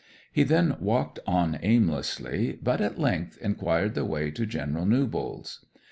He then walked on aimlessly, but at length inquired the way to General Newbold's.